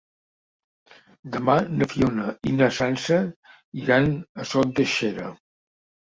Demà na Fiona i na Sança iran a Sot de Xera.